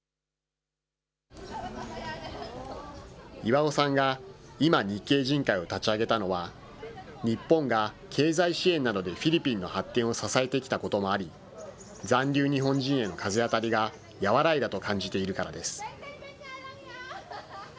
イワオさんが今、日系人会を立ち上げたのは、日本が経済支援などでフィリピンの発展を支えてきたこともあり、残留日本人への風当たりが和らいだと感じているからです。